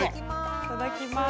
いただきます。